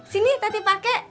sini tadi pake